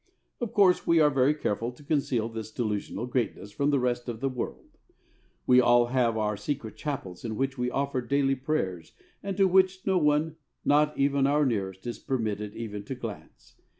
Of course we are very careful to conceal this delusional greatness from the rest of the world. We all have our secret chapels in which we offer daily prayers and into which no one, not even our nearest, is permitted even to glance.